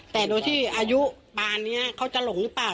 แต่โดยที่อายุปานนี้เขาจะหลงหรือเปล่า